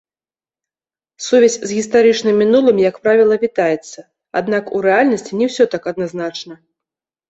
Сувязь з гістарычным мінулым, як правіла, вітаецца, аднак у рэальнасці не ўсё так адназначна.